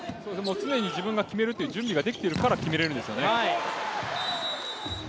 常に自分が決めるという準備ができてるから決められるんですよね。